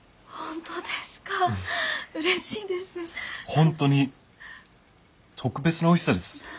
本当に特別なおいしさです。